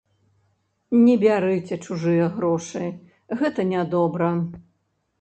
Не бярыце чужыя грошы, гэта нядобра.